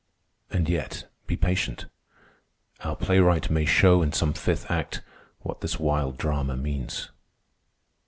And yet be patient. Our Playwright may show In some fifth act what this Wild Drama means."